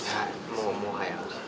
もう、もはや。